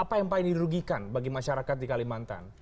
apa yang paling dirugikan bagi masyarakat di kalimantan